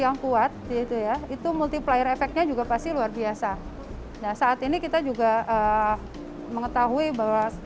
yang kuat yaitu ya itu multiplier efeknya juga pasti luar biasa nah saat ini kita juga mengetahui bahwa